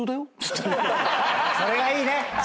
それがいいね！